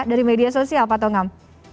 dari media sosial pak tongam